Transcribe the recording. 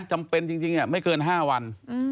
จำเป็นจริงไม่เกิน๕วัน